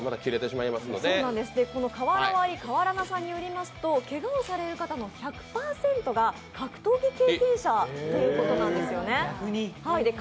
この瓦割りカワラナさんによりますと、けがをされる方の１００％が格闘技経験者ということなんだそうです。